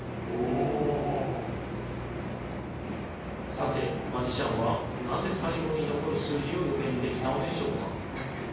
さてマジシャンはなぜさいごにのこる数字をよげんできたのでしょうか？